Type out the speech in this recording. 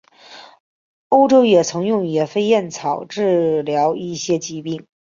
欧洲也曾用野飞燕草治疗一些疾病。